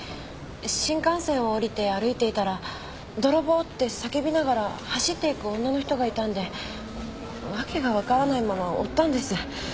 新幹線を降りて歩いていたら「泥棒！」って叫びながら走っていく女の人がいたんで訳がわからないまま追ったんです。